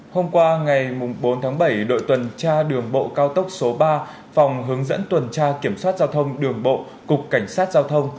hôm qua ngày bốn tháng bảy đội tuần tra đường bộ cao tốc số ba phòng hướng dẫn tuần tra kiểm soát giao thông đường bộ cục cảnh sát giao thông